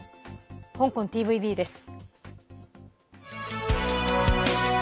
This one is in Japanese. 香港ＴＶＢです。